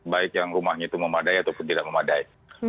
baik yang rumahnya itu memadai ataupun tidak memadai